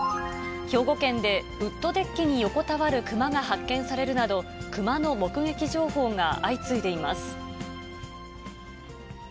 兵庫県でウッドデッキに横たわるクマが発見されるなど、クマの目撃情報が相次いでいます。